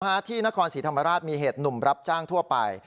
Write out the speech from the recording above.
ที่นครศรีธรรมราชมีเหตุหนุ่มรับจ้างทั่วไป